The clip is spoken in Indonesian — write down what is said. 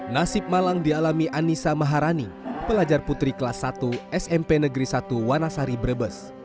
nasib malang dialami anissa maharani pelajar putri kelas satu smp negeri satu wanasari brebes